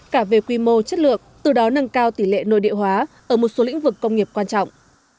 cả về quy mô chất lượng từ đó nâng cao tỷ lệ nội địa hóa ở một số lĩnh vực công nghiệp quan trọng